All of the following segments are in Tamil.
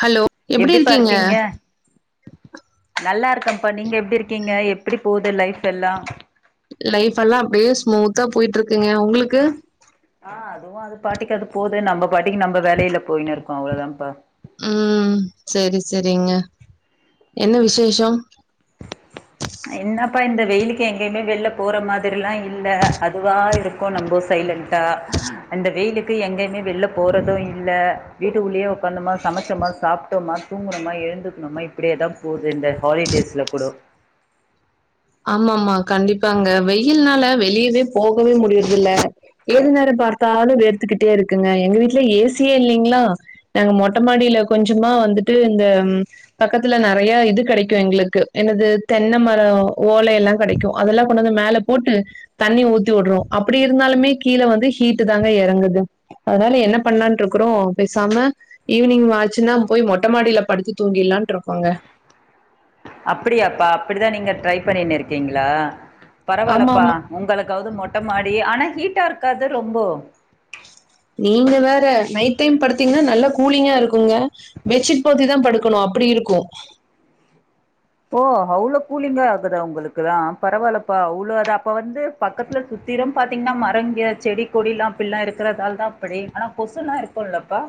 ஹலோ எப்டி எப்டிபா இருக்கீங்க நல்லாருக்கப்பா நீங்க எப்டி இருக்கீங்க எப்டி போது லைஃப் எல்லா லைஃப் எல்லா அப்டியே ஸ்மூத்தா போயிட்ருக்குங்க உங்குளுக்கு ஆ அதுவு அது பாட்டிக்கு அது போது நம்ம பாட்டிக்கு நம்ம வேலைல போயின்னு இருக்கோ அவ்ளோதாப்ப ம் செரி செரிங்க என்ன விசேஷோ என்னப்பா இந்த வெயிலுக்கு எங்கேயுமே வெள்ல போற மாதிரி எல்லா இல்ல அதுவா இருக் நம்போ சைலன்டா அந்த வெயிலுக்கு எங்கயுமே வெள்ல போறது இல்ல வீட்டுக்குல்லையே உக்காந்தோமா சமச்சோமா சாப்ட்டோமா தூங்குணுமா எழுந்துக்ணுமா இப்டியேதா போது இந்த ஹாலிடேஸ்ல கூடோ ஆமா ஆமா கண்டிப்பாங்க வெயில்னால வெளியவே போகவே முடியற்தில்ல ஏது நேரோ பாத்தாலு வேத்துக்குட்டே இருக்குங்க எங்க வீட்ல ஏசியே இல்லைங்ளா நாங்க மொட்ட மாடில கொஞ்சமா வந்துட்டு இந்த பக்கத்துல நறையா இது கெடைக்கு எங்குளுக்கு என்னது தென்ன மரோ ஓலைலா கடைக்கு அதுலா கொண்டுவந்து மேல போட்டு தண்ணி உத்திவுட்ருவோ அப்டி இருந்தாலுமே கீழ வந்து ஹீட்டு தாங்க எறங்குது அதனால என்ன பண்லான்ட்ருக்கறோ பேசாம ஈவினிங் ஆச்சுனா போய் மொட்டமாடில படுத்து தூங்கிலான்ட்ருக்கோங்க அப்டியாப்பா அப்டிதா நீங்க ட்ரை பண்ணின் இருக்கீங்ளா பரவால்லப்பா ஆமாமா. உங்களுக்காவ்து மொட்ட மாடி ஆனா ஹீட்டாருக்காது ரொம்போ நீங்க வேற நைட் டைம் படுத்தீங்னா நல்லா கூலிங்கா இருக்குங்க பெட்சீட் போத்திதா படுக்கணு அப்டி இருக்கு ஓ அவ்ளோ கூலிங்கா ஆகுதா உங்குளுக்குல்லா பரவால்லப்பா அவ்ளோ அது அப்போ வந்து பக்கத்துல சுத்திரும் பாத்தீங்னா மரங்கெ செடி கொடிலா அப்பிட்லா இருக்கிறதால் தா அப்டி ஆனா கொசுனா இருக் குல்லப்பா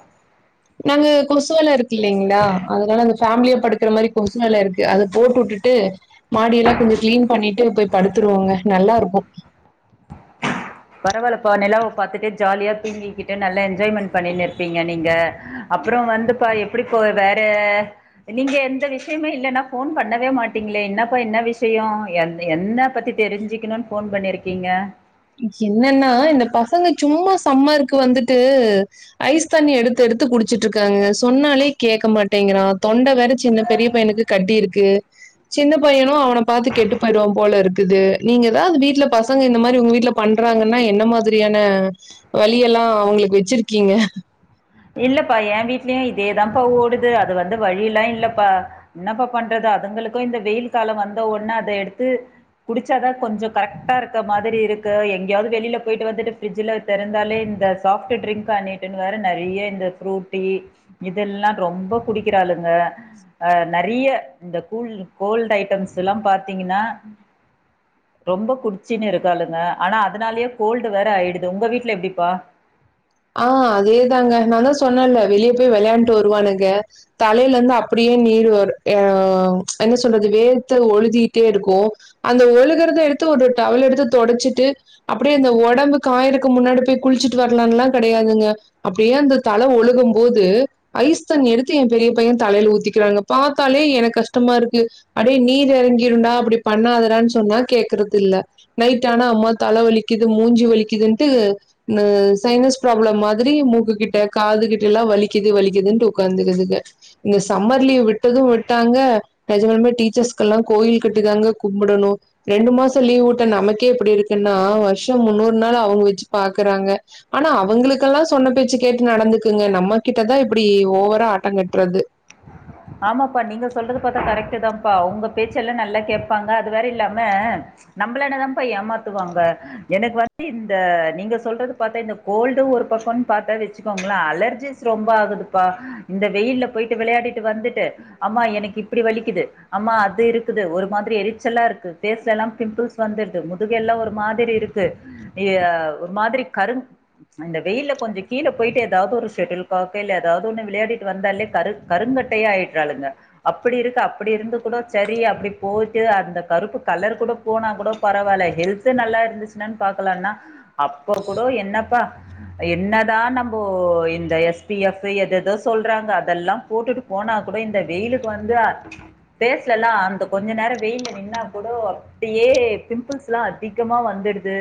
நாங்க கொசு வல இருக்கு இல்லைங்ளா அதனால அந்த ஃபேம்லியா படுக்கிற மாரி கொசு வல இருக்கு அத போட்டுட்டுட்டு மாடிலா கொஞ்ச கிளீன் பண்ணிட்டு போய் படுத்துருவோங்க நல்லா இருக்கு பரவால்லப்பா நிலாவ பாத்துட்டே ஜாலியா தூங்கிக்கிட்டு நல்லா என்ஜாய்மண்ட் பண்ணினு இருப்பீங்க நீங்க அப்றோ வந்துப்பா எப்டி போது வேற நீங்க எந்த விஷ்யமே இல்லனா ஃபோன் பண்ணவே மாட்டீங்ளே என்னப்பா என்ன விஷய எந் என்ன பத்தி தெரிஞ்சுக்குன்னு ஃபோன் பண்ணிருக்கீங்க என்னனா இந்த பசங்க சும்மா சம்மருக்கு வந்துட்டு ஐஸ் தண்ணி எடுத்து எடுத்து குடிச்சுட்டு இருக்காங்க சொன்னாலே கேக்க மாட்டேங்கிறா தொண்ட வேற சின்ன பெரிய பையனுக்கு கட்டி இருக்கு சின்ன பையனு அவன பாத்து கெட்டு போயிடுவா போல இருக்குது நீங்க எதாவ்து வீட்ல பசங்க இந்த மாரி உங்க வீட் ல பண்றாங்கனா என்ன மாதிரியான வழியெல்லா அவ்ங்களுக்கு வச்சிருக்கீங்க இல்லப்பா எ வீட்லயு இதேதாப்பா ஓடுது அது வந்து வழியெல்லா இல்லப்பா என்னப்பா பண்றது அதுங்களுக்கு இந்த வெயில் கால வந்த ஒட்ன அத எடுத்து குடிச்சாதா கொஞ்ச கரெக்டா இருக்க மாதிரி இருக்கு எங்கயாவ்து வெளில போயிட்டு வந்துட்டு ஃப்ரிட்ஜுல தெறந்தாலே இந்த சாஃப்ட்டு ட்ரிங்க்கானீட்டுனு வேற நெறை றைய இந்த ஃப்ரூட்டி இதெல்லா ரொம்ப குடிக்கிறாளுங்க அ நெறைய இந்த கூல் கோல்டு் ஐட்டம்ஸெல்லாம் பாத்தீங்கனா ரொம்ப குடிச்சின்னு இருக்காளுங்க ஆனா அதுனாலயே கோல்டு வேற ஆயிடுது உங்க வீட்ல எப்டிப்பா ஆ அதேதாங்க நாந்தா சொன்னல்ல வெளிய போயி வெளையாண்ட்டு வருவானுங்க தலைல இருந்து அப்டியே நீரு வரு அ என்ன சொல்றது வேர்த்து ஒழுதீட்டே இருக்கு அந்த ஒழுகிறத எடுத்து ஒரு டவல் எடுத்து தொடச்சிட்டு அப்டியே அந்த ஒடம்பு காயறக்கு முன்னாடி போயி குளிச்சுட்டு வர்லான்னுலா கெடையாதுங்க அப்டியே அந்த தல ஒழுகும் போது ஐஸ் தண்ணி எடுத்து எ பெரிய பைய தலைல ஊத்திக்கிறாங்க பாத்தாலே எனக்கு கஷ்டமா இருக்கு அடே நீர் எறங்கிருன்டா அப்டி பண்ணாதடான் சொன்னா கேக்குறதில்ல நைட் ஆனா அம்மா தல வலிக்குது மூஞ்சி வலிக்குதுன்ட்டு இந்த சைனஸ் ப்ராப்ளம் மாதிரி மூக்கு கிட்ட காது கிட்டலா வலிக்குது வலிக்குதுன்ட்டு ஒக்காந்துருதுங்க இந்த சம்மர் லீவு விட்டது விட்டாங்க நெஜமாலுமே டீச்சர்ஸ்க்கெல்லா கோயில் கட்டி தாங்க கும்புடணு ரெண்டு மாச லீவு விட்ட நமக்கே இப்டி இருக்குன்னா வர்ஷ முன்னூறு நாளு அவ்ங்க வச்சு பாக்குறாங்க ஆனா அவ்ங்களுக்கெல்லா சொன்ன பேச்சு கேட்டு நடந்துக்குங்க நம்ம கிட்டதா இப்டி ஓவரா ஆட்டங்கட்றது ஆமாப்பா நீங்க சொல்றது பாத்தா கரெக்ட்டு தாம்ப்பா அவ்ங்க பேச்செல்லா நல்லா கேப்பாங்க அது வேற இல்லாம நம்பளனாதாம்ப்பா ஏமாத்துவாங்க எனக்கு வந்து இந்த நீங்க சொல்றது பாத்தா இந்த கோல்டு ஒரு பக்கம்னு பாத்தா வச்சுக்கோங்களே அலர்ஜிஸ் ஸ் ரொம்ப ஆகுதுப்பா இந்த வெயில்ல போயிட்டு வெளையாடிட்டு வந்துட்டு அம்மா எனக்கு இப்டி வலிக்குது அம்மா அது இருக்குது ஒரு மாதிரி எரிச்சல்லா இருக்கு ஃபேஸ்லலா பிம்பிள்ஸ் வந்துருது முதுகெல்லா ஒரு மாதிரி இருக்கு எ ஒரு மாதிரி கருங் இந்த வெயில்ல கொஞ்ச கீழ போயிட்டு எதாவ்து ஒரு ஷெட்டில் காக் இல்ல எதாவ்து ஒன்னு விளையாடிட்டு வந்தாலே கரு கருங்கட் டையா ஆயிட்றாளுங்க அப்டியிருக்கு அப்டி இருந்து கூட செரி அப்டி போயிட்டு அந்த கருப்பு கலர் கூட போனா கூட பரவால்ல ஹெல்த்து நல்லா இருந்துச்சுனான் பாக்கலானா அப்ப கூட என்னப்பா என்னதா நம்போ இந்த எஸ் பி எஃப்ஃபு எதெதோ சொல்றாங்க அதெல்லா போட்டுட்டு போனா கூட இந்த வெயிலுக்கு வந்து ஃபேஸ்லலா அந்த கொஞ்ச நேரோ வெயில்ல நின்னா கூடோ அப்டியே பிம்பிள்ஸ்லா அதிகமா வந்துட்து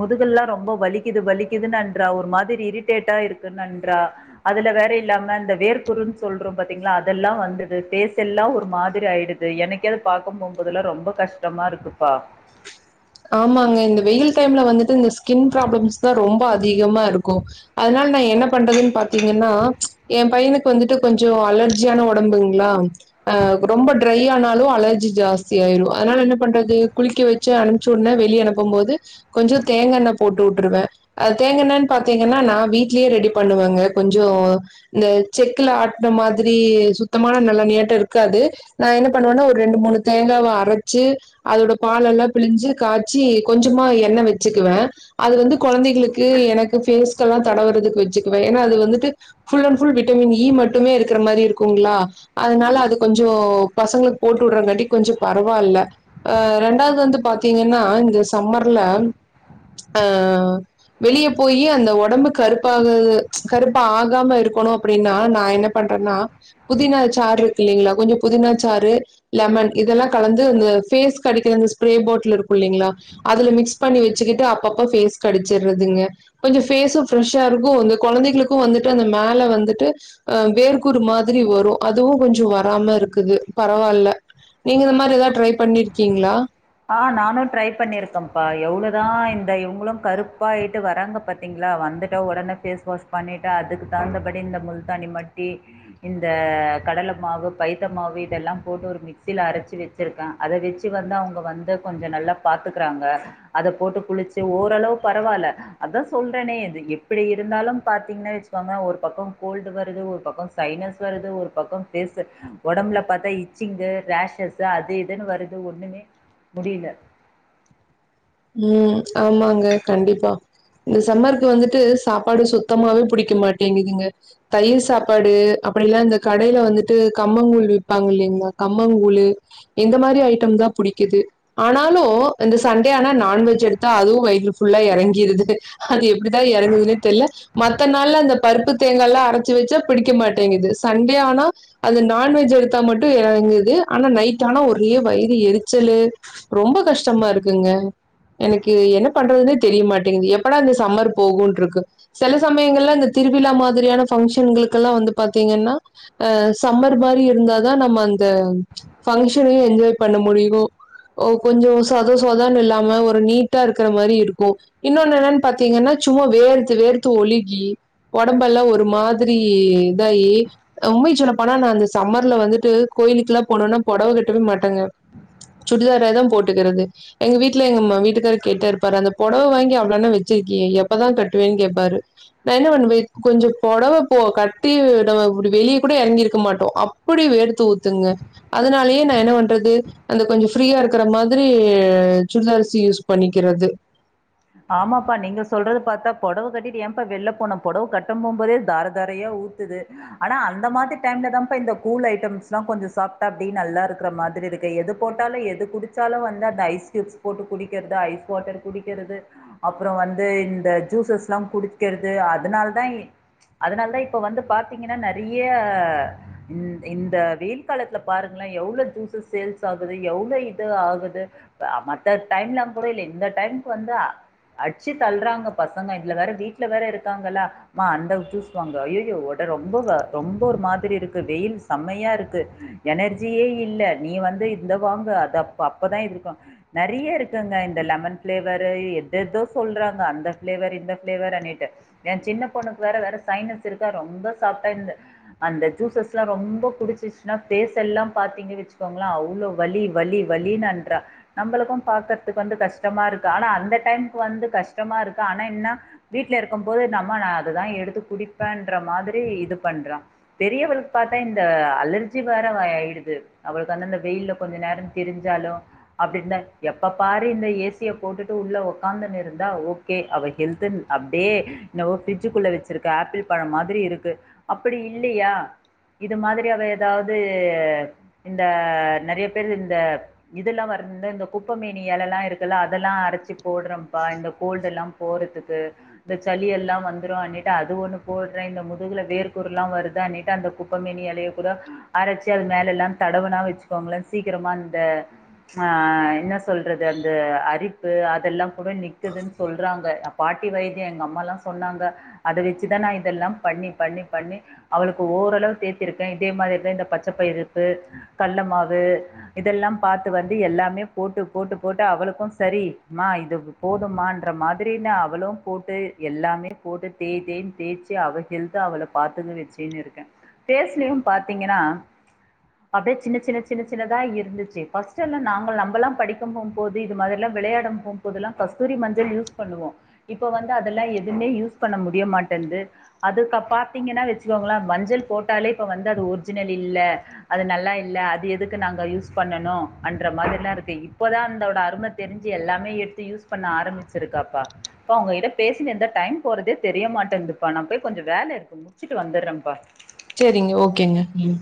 முதுகெல்லா ரொம்ப வலிக்குது வலிக்குதுன்னன்றா ஒரு மாதிரி இரிட்டேட்டா இருக்குன்னன்றா அதுல வேற இல்லாம இந்த வேர்க்குருன் சொல்றோ பாத் தீங்ளா அதெல்லா வந்தது ஃபேஸ் எல்லா ஒரு மாதிரி ஆய்டுது எனக்கே அது பாக்க போம்போதெல்லா ரொம்ப கஷ் டம்மாருக்குப்பா ஆமாங்க இந்த வெயில் டைம்ல வந்துட்டு இந்த ஸ்கின் ப்ராப்ளம்ஸ்தா ரொம்ப அதிகமாருக்கு அதனால நா என்ன பண்றதுன் பாத்தீங்கன்னா எ பையனுக்கு வந்துட்டு கொஞ்சோ அலர்ஜியான ஒடம்புங்ளா ஆ ரொம்ப ட்ரை ஆனாலு அலர்ஜி ஜாஸ்தி ஆயிரு அதனால என்ன பண்றது குளிக்க வெச்சு அம் ச்சுட்ன வெளிய அனுப்பம்போது கொஞ்சோ தேங்கா எண்ண போட்டு வுட்ருவே அ தேங்கா எண்ணன் பாத்தீங்கன்னா நா வீட்லயே ரெடி பண்ணுவேங்க கொஞ்சோ இந்த செக்குல ஆட்ன மாதிரி சுத்தமான நல்லெண்ணயாட்டோ இருக்காது நா என்ன பண்ணுவேன்னா ஒரு ரெண்டு மூணு தேங்காவ அரச்சு அதோட பால் எல்லா பிழிஞ்சு காச்சி கொஞ்சமா எண்ண வச்சுக்குவே அதுலந்து கொழந்தைகளுக்கு என க்கு ஃபேஸ்கெல்லா தடவுறதுக்கு வச்சுக்குவே ஏனா அது வந்துட்டு full and full vitamin E மட்டுமே இருக்கற மாரி இருக்குங்ளா அதனால அது கொஞ்சோ பசங்களுக்கு போட்டு வுட்றங்காட்டி கொஞ்சொ பரவால்ல ஆ ரெண்டாவது வந்து பாத்தீங்கன்னா இந்த சம்மர்ல ஆ வெளிய போயி அந்த ஒடம்பு கருப்பாக கருப்பு ஆகாம இருக்கணு அப்டின்னா நா என்ன பண்றேன்னா புதினா சாறு இருக்கு இல்லைங்ளா கொஞ்சோ புதினா சாறு லெமன் இதெல்லா கலந்து அந்த ஃபேஸ்க்கு அடிக்கிற அந்த ஸ்ப்ரே பாட் லு இருக்கு இல்லைங்களா அதுல மிக்ஸ் பண்ணி வெச்சுக்கிட்டு அப்பப்ப ஃபேஸ்க்கு அடிச்சுறதுங்க கொஞ்சோ ஃபேஸு ஃப்ரெஷ்ஷாருக்கு இங்க கொழந்தைகளுக்கு வந்துட்டு அந்த மேல வந்துட்டு ஆ வேர்க்குரு மாதிரி வரு அதுவு கொஞ்சோ வராம இருக்குது பரவால்ல நீங்க அந்த மாரி எதாது ட்ரை பண்ணியிருக்கீங்களா ஆ நானு ட்ரை பண்ணியிருக்கேப்பா எவ்ளோ தா இந்த இவுங்களு கருப்பாய்ட்டு வராங்க பாத்தீங்களா வந்துட்டோ ஒடனே ஃபேஸ் வாஷ் பண்ணிட்டு அதுக்கு தகுந்தபடி இந்த முல்தானி மட்டி இந்த கடல மாவு பைத்த மாவு இதெல்லா போட்டு ஒரு மி க்ஸில அரச்சு வச்சிருக்கே அத வெச்சு வந்து அவுங்க வந்து கொஞ்சோ நல்லா பாத்துக்குறாங்க அத போட்டு குளுச்சு ஓரளவு பரவால்ல அதா சொல்றேனே இது எப்டி இருந்தாலு பாத்தீங்கன்னா வச்சுக்கோங்க ஒரு பக்கோ கோல்டு வருது ஒரு பக்கோ சைனஸ் வருது ஒரு பக்கோ ஃபேஸு ஒடம்புல பாத்தா இச்சிங்கு ரேஷஸ் அது இதுன் வருது ஒண்ணுமே முடில ம் ஆமாங்க கண்டிப்பா இந்த சம்மருக்கு வந்துட்டு சாப்பாடு சுத்தமாவே புடிக்க மாட்டேங்கிதுங்க தயிர் சாப்பாடு அப்டி இல்லனா இந்த கடைல வந்துட்டு கம்மங்கூழ் விப்பாங்க இல்லைங்ளா கம்மங்கூழு இந்த மாரி ஐட்டம் தா புடிக்குது ஆனாலு இந்த சண்டே ஆனா நான்வெஜ் எடுத்தா அதுவு வயிறு ஃபுல்லா எறங்கிருது அது எ ப்டிதா எறங்குதுன்னே தெர்ல மத்த நாள்ல அந்த பருப்பு தேங்காலா அரச்சு வச்சா பிடிக்க மாட்டேங்கிது சண்டே ஆனா அந்த நான்வெஜ் எடுத்தா மட்டு எறங்குது ஆனா நைட்டானா ஒரே வயிறு எரிச்சலு ரொம்ப கஷ்டமாருக்குங்க எனக்கு என்ன பண்றதுன்னே தெரியமாட்டேங்கிது எப்படா இந்த சம்மர் போகுன்ருக்கு சில சமயங்கள்ல இந்த திருவிழா மாதிரியான பஃங்க்ஷன்களுக்கெல்லாம் வந்து பாத்தீங்கன்னா அ சம்மர் மாதிரி இருந்தாதா நம்ம அந்த பங்க்ஷனையு என்ஜாய் பண்ண முடியு ஓ கொஞ்சோ சொத சொதன்னு இல்லாம ஒரு ‌ நீட்டாருக்ற மாரி இருக்கு இன்னொன்னு என்னன் பாத்தீங்கன்னா சும்மா வேர்த்து வேர்த்து ஒழுகி ஒடம்ப எல்லா ஒரு மாதிரி இதாயி உம்மய் சொல்லப்பனா நா இந்த சம்மர்ல வந்துட்டு கோயிலுக்கு எல்லா போனுனா பொடவ கட்டவே மாட்டங்க சுடிதாரே தா போட்டுக்கறது எங்க வீட்ல எங்கம்மா வீட் வீட்டுகார் கேட்டாரு பாரு அந்த பொடவ வாங்கி அவ்ளனா வச்சிருக்கியே எப்பதா கட்டுவேன் கேப்பாரு நா என்ன பண்ணுவே கொஞ்சோ பொடவ பொ கட்டி விடுவ இப்படி வெளிய கூட இறங்கிருக்க மாட்டோ அப்டி வேர்த்து ஊத்துங்க அதனாலயே நா என்ன பண்றது அந்த கொஞ்ச ஃப்ரீயா இருக்கற மாதிரி சுடிதார்ஸ் யூஸ் பண்ணிக்கிறது ஆமாப்பா நீங்க சொல்றது பாத்தா பொடவ கட்டிட்டு ஏன்பா வெல்ல போனம் பொடவ கட்டும் போம்போதே தார தாரையா ஊத் த்துது ஆனா அந்த மாதிரி டைம்ல தா பா இந்த கூல் ஐட்டம்ஸ்லா கொஞ்ச சாப்டா அப்டி நல்லா இருக்கற மாதிரி இருக் எது போட்டாலு எது குடிச்சாலு வந்து அது அந்த ஐஸ் கியூப்ஸ் போட்டு குடிக்கிறது ஐஸ் வாட்டர் குடிக்கிறது அப்புற வந்து இந்த ஜூசஸ் எல்லா குடிக்கிறது அதனால தா அதனால தா இப்ப வந்து பாத்தீங்கன்னா நெறய இந்த இந்த வெயில் காலத்துல பாருங்கள எவ்ளோ ஜூஸ் சேல்ஸ் ஆகுது எவ்ளோ இது ஆகுது மத்த டைம்லா கூட இல்ல இந்த டைமுக்கு வந்தா அச்சு தல்றாங்க பசங்க இதுல வேற வீட்ல வேற இருக்காங்களா மா அந்த ஜூஸ் வாங்க ஐயையோ உட ரொம்ப ரொம்ப ஒரு மாதிரி இருக்கு வெயில் செம்மையா இருக்கு எனர்ஜியே இல்ல நீ வந்து இந்த வாங்கு அத அப்பதா இருக்கு நெறைய இருக்குங்க இந்த லெமன் ஃபிளேவரு எதோ சொல்றாங்க அந்த ஃப்ளேவர் இந்த ஃப்ளேவர் அண்ணிட்டு எ சின்ன பொண்ணுக்கு வேற வேற சைனஸ் இருக்கா ரொம்ப சாப்டா இந்த அந்த ஜூசஸ் எல்லா ரொம்ப குடிச்சிச்சுனா பேஸ் எல்லா பாத்தீங்க வச்சுக்கோங்கள அவ்ளோ வலி வலி வலினன்றா நம்பளுக்கு பாக்கறதுக்கு வந்து கஷ்டமா இருக்கு ஆனா அந்த டைம் வந்து கஷ்டமா இருக்கு ஆனா என்ன வீட்ல இருக்கும் போது நம்ம நா அதுதா எடுத்து குடிப்பேன்ற மாதிரி இது பண்றா பெரியவளுக்கு பாத்தா இந்த அலர்ஜி வேற ஆயிடுது அவளுக்கு வந்து அந்த வெயில்ல கொஞ்சம் நேரோ திரிஞ்சாலு அப்டிந்த எப்ப பாரு இந்த ஏசிய போட்டுட்டு உள்ள ஒக் உட்காந்தனு இருந்தா ஓகே அவ ஹெல்துன் அப்டியே இன்னவோ ஃப்ரிட்ஜுக்குள்ள வச்சுருக்க ஆப்பிள் பழம் மாதிரி இருக்கு அப்படி இல்லையா இது மாதிரி அவ ஏதாவது இந்த நெறைய பேரு இந்த இதுலா வருது இந்த குப்பைமேனி எழலா இருக்குல்ல அதெல்லா அரச்சு போடுறம்பா இந்த கோல்டுலா போறதுக்கு இந்த சளி எல்லா வந்துரு அனிட்டு அது ஒண்ணு போடுறே இந்த முதுகுல வேர்கூறு எல்லா வருது அனிட்டு அந்த குப் குப்பமேனி எலைய கூட அரச்சி அது மேல எல்லா தடவனா வச்சுக்கோங்களே சீக்கிரமா இந்த ஆ என்ன சொல்றது அந்த அரிப்பு அதெல்லா கூட நிக்குதுன் சொல்றாங்க பாட்டி வைத்திய எங்க அம்மால்லா சொன்னாங்க அத வச்சுதா இதெல்லா பண்ணி பண்ணி பண்ணி அவளுக்கு ஓரளவு தேத்திருக்கே இதே மாதிரி தா இந்த பச்ச பயிருப்பு கல்ல மாவு இதெல்லா பாத்து வந்து எல்லாமே போட்டு போட்டு போட்டு அவளுக்கு சரி மா இது போதுமான்ற மாதிரி னா அவளு போட்டு எல்லாமே போட்டுட் தேய் தேய்ன்னு தேய்ச்சு அவ ஹெல்த்த அவள பாத்துக்க வச்சுன்னு இருக்கே ஃபேஸ்லையு பாத்தீங்கனா அப்டியே சின்ன சின்ன சின்னதா இருந்துச்சு ஃபர்ஸ்ட் எல்லா நாங்க நம்மல்லா படிக்க போ போது இது மாதிரில்லா விளையாட போம்போதுல்லா கஸ்தூரி மஞ்சள் யூஸ் பண்ணுவோ இப்ப வந்து அதெல்லா எதுமே யூஸ் பண்ண முடியமாட்டேந்து அதுக்க பாத்தீங்கன்னா வச்சுககோங்களே மஞ்சள் போட்டாலே இப்ப வந்து அது ஒரிஜினல் இல்ல அது நல்லா இல்ல அது எதுக்கு நாங்க யூஸ் பண்ணணு அன்ற மாதிரில்லா இருக்கு இப்பதா அதோட அரும தெரிஞ்சி எல்லாம் எடுத்து யூஸ் பண்ண ஆரம்பிச்சிருக்காப்பா பா உங்ககிட்ட பேசினு இருந்தா டைம் போறதே தெரிய மாட்டன்து பா நா போய் கொஞ்ச வேல இருக்கு முடிச்சுட்டு வந்துறம்ப்பா சரிங்க ஓகேங்க ம்